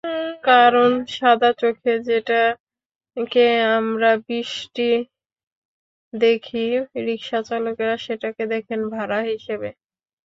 কারণ, সাদা চোখে যেটাকে আমরা বৃষ্টি দেখি, রিকশাচালকেরা সেটাকে দেখেন ভাড়া হিসেবে।